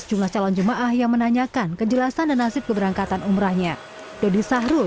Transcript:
sejumlah calon jemaah yang menanyakan kejelasan dan nasib keberangkatan umrahnya dodi sahrul